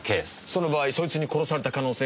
その場合そいつに殺された可能性がある。